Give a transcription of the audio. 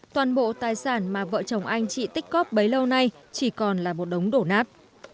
toàn bộ tài sản mà vợ chồng anh chị tích cóp bấy lâu nay chỉ còn là một đống đổ nát